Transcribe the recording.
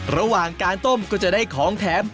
ระหว่างการต้มก็จะได้ของแถม